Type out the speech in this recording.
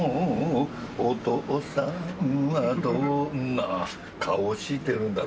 「お父さんはどんな顔してるんだろ？」